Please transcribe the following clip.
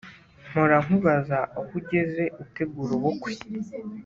mpora nkubaza aho ugeze utegura ubukwe